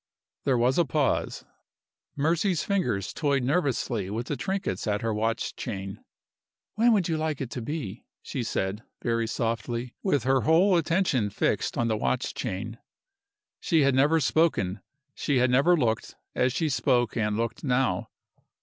There was a pause. Mercy's fingers toyed nervously with the trinkets at her watch chain. "When would you like it to be?" she said, very softly, with her whole attention fixed on the watch chain. She had never spoken, she had never looked, as she spoke and looked now.